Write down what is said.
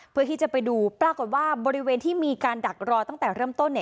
เพื่อที่จะไปดูปรากฏว่าบริเวณที่มีการดักรอตั้งแต่เริ่มต้นเนี่ย